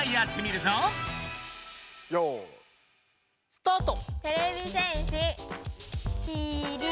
よいスタート！